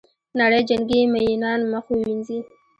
نړۍ جنګي میینان مخ ووینځي.